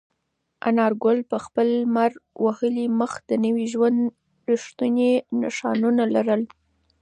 انارګل په خپل لمر وهلي مخ د نوي ژوند رښتونې نښانونه لرل.